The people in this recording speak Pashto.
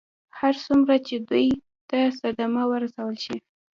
هر څومره چې دوی ته صدمه ورسول شي.